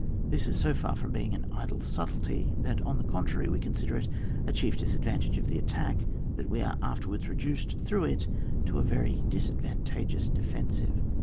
This is so far from being an idle subtlety, that on the contrary, we consider it a chief disadvantage of the attack that we are afterwards reduced through it to a very disadvantageous defensive.